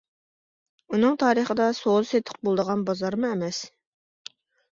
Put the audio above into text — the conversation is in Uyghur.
ئۇنىڭ تارىخىدا سودا-سېتىق بولىدىغان بازارمۇ ئەمەس.